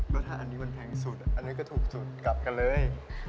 ทานอันนี้มันแพงสุดอันนั้นก็ถูกสุดกลับกันเลย